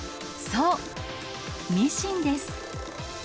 そう、ミシンです。